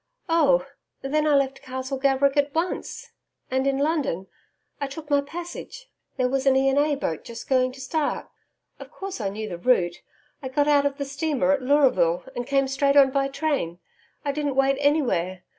'Oh, then I left Castle Gaverick at once, and, in London, I took my passage there was an E. and A. boat just going to start. Of course I knew the route. I got out of the steamer at Leuraville, and came straight on by train I didn't wait anywhere.